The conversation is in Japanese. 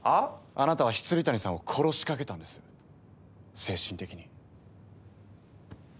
あなたは未谷さんを殺しかけたんです精神的に。